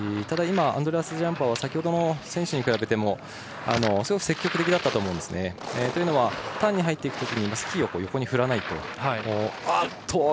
今、アンドレアス・ジャンパは先ほどの選手に比べてもすごく積極的だったと思うんですね。というのはターンに入っていくときにスキーを横に振らないと。